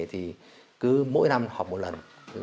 thì cứ mỗi năm họp một lần